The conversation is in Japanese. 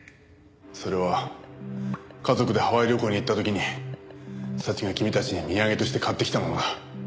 それは家族でハワイ旅行に行った時に早智が君たちに土産として買ってきたものだ。